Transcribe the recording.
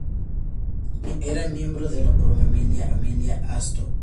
Era miembro de la prominente Familia Astor.